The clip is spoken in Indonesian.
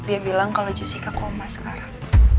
dia bilang kalau jessica koma sekarang